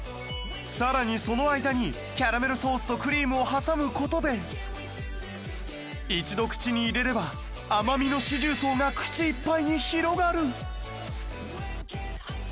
更にその間にキャラメルソースとクリームを挟む事で一度口に入れれば甘みの四重奏が口いっぱいに広がる